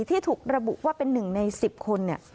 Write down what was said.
ที่ถูกระบุว่าเป็น๑ใน๑๐คน